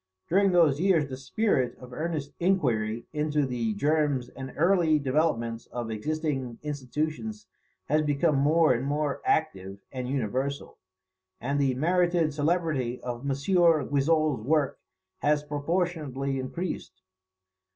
During those years the spirit of earnest inquiry into the germs and early developments of existing institutions has become more and more active and universal; and the merited celebrity of M. Guizot's work has proportionally increased.